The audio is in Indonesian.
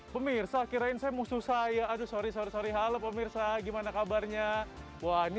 pemirsa kirain saya musuh saya aduh sorry sorr sorry halo pemirsa gimana kabarnya wah ini